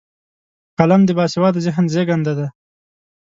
قلم د باسواده ذهن زیږنده ده